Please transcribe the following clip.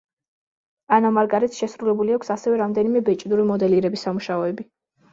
ანა მარგარეტს შესრულებული აქვს ასევე რამდენიმე ბეჭდური მოდელირების სამუშაოები.